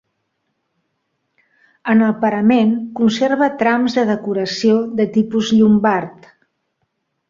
En el parament conserva trams de decoració de tipus llombard.